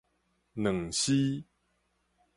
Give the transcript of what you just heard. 卵絲